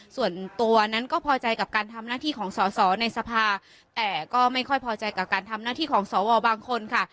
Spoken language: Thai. ส่วนตัวนั้นก็พอใจกับการทำหน้าที่ของสอสอในสภาแต่ก็ไม่ค่อยพอใจกับการทำหน้าที่ของสวบางคนค่ะ